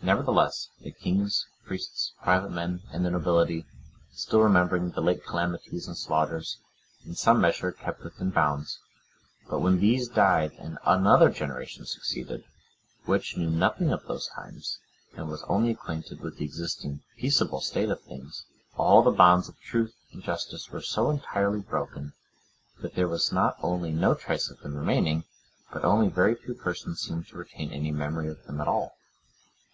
Nevertheless, the kings, priests, private men, and the nobility, still remembering the late calamities and slaughters, in some measure kept within bounds; but when these died, and another generation succeeded, which knew nothing of those times, and was only acquainted with the existing peaceable state of things, all the bonds of truth and justice were so entirely broken, that there was not only no trace of them remaining, but only very few persons seemed to retain any memory of them at all.